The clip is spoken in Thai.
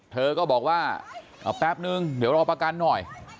เธอก็บอกว่าเอาแป๊บนึงเดี๋ยวรอประกันหน่อย